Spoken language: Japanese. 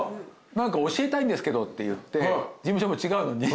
教えたいんですけどって言って事務所も違うのに。